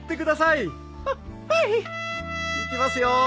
いきますよー。